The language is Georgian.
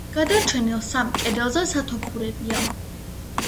გადარჩენილ სამ კედელზე სათოფურებია.